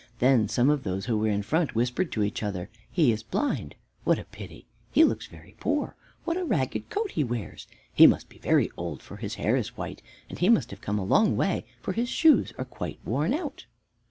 Then some of those who were in front whispered to each other, "He is blind." "What a pity!" "He looks very poor." "What a ragged coat he wears!" "He must be very old, for his hair is white; and he must have come a long way, for his shoes are quite worn out."